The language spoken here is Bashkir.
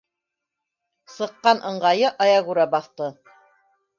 Сыҡҡан ыңғайы аяғүрә баҫты.